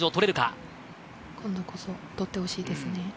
今度こそ取ってほしいですね。